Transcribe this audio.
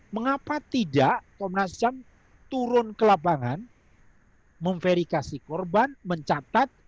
mengapa tidak komnas ham turun ke lapangan memverifikasi korban mencatat